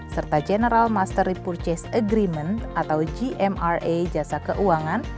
serta general master repurchase agreement atau gmra jasa keuangan